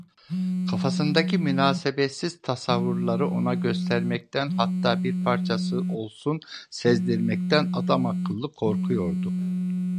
Kafasındaki münasebetsiz tasavvurları ona göstermekten, hatta bir parçasını olsun sezdirmekten adamakıllı korkuyordu.